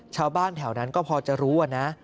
ชาวบ้านแถวนั้นก็พอจะรู้นะ